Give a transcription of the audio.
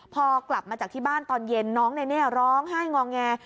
พอกลับมาจากที่บ้านตอนเย็นน้องเน่ร้องไห้งอแง